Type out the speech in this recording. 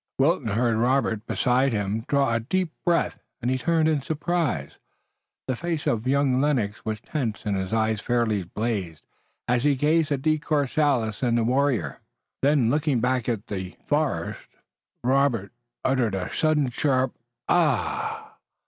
Wilton heard Robert beside him draw a deep breath, and he turned in surprise. The face of young Lennox was tense and his eyes fairly blazed as he gazed at De Courcelles and the warrior. Then looking back at the forest Robert uttered a sudden sharp, Ah!